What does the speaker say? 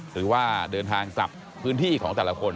หรือว่าเดินทางกลับพื้นที่ของแต่ละคน